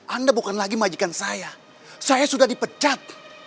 anda bukan lagi majikan saya saya sudah dipecat